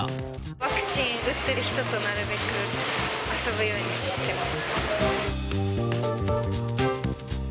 ワクチン打ってる人となるべく遊ぶようにしてます。